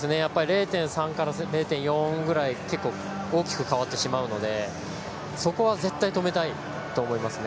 ０．３から０．４ぐらい大きく変わってしまうのでそこは絶対に止めたいと思います。